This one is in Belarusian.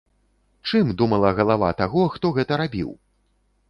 Чым думала галава таго, хто гэта рабіў?